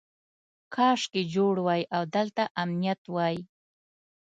کاشکې جوړ وای او دلته امنیت وای.